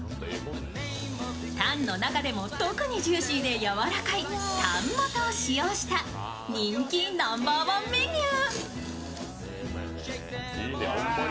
タンの中でも特にジューシーでやわらかいタン元を使用した人気ナンバーワンメニュー。